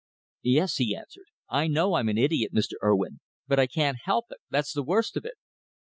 "Yes," he answered. "I know I'm an idiot, Mr. Urwin, but I can't help it. That's the worst of it."